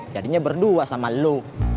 jadinya berdua sama lu